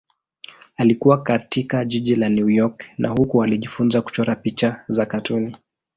Alikua katika jiji la New York na huko alijifunza kuchora picha za katuni.